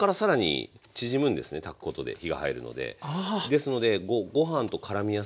ですのでご飯とからみやすいと。